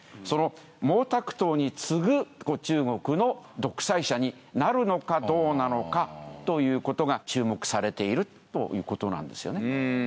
その毛沢東に次ぐ中国の独裁者になるのかどうなのかということが注目されているということなんですよね。